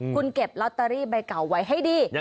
คุณเก็บลอตเตอรี่ใบเก่าไว้ให้ดี